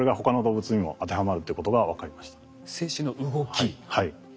はい。